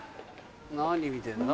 何見てんだ？